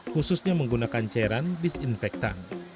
khususnya menggunakan cairan disinfektan